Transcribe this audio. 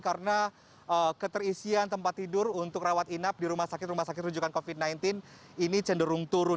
karena keterisian tempat tidur untuk rawat inap di rumah sakit rumah sakit rujukan covid sembilan belas ini cenderung turun